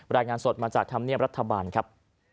รายงานสดมาจากธรรมเนียมรัฐบาลครับ